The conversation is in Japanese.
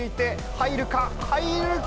入るか？